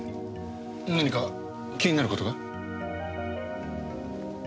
何か気になる事が？